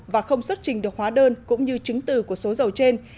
và không xuất trình được hóa đơn cũng như chứng từ của số dầu trên